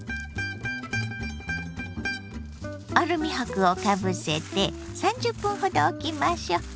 アルミ箔をかぶせて３０分ほどおきましょう。